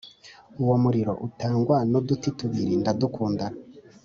uwo umuriro utangwa n’uduti tubiri ndadukunda